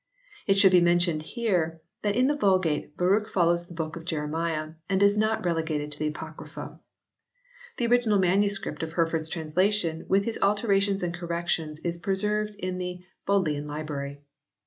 It should be mentioned here that in the Vulgate Baruch follows the book of Jeremiah and is not relegated to the Apocrypha. The original manuscript of Hereford s translation with his alterations and corrections is preserved in the Bodleian Library.